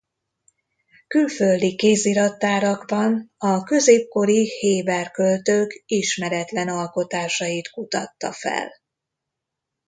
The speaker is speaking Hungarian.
Külföldi kézirattárakban a középkori héber költők ismeretlen alkotásait kutatta fel.